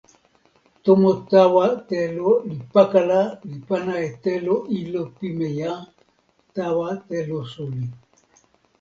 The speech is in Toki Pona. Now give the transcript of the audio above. tomo tawa telo li pakala li pana e telo ilo pimeja tawa telo suli.